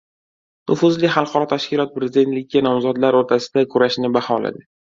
Nufuzli xalqaro tashkilot prezidentlikka nomzodlar o‘rtasidagi kurashni baholadi